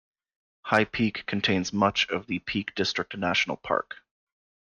High Peak contains much of the Peak District National Park.